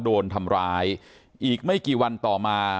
โดนทำร้ายอีกไม่กี่วันต่อมา